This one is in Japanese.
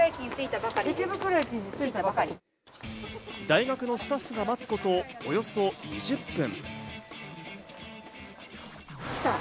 大学のスタッフが待つこと、およそ２０分。